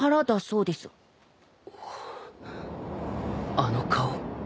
あの顔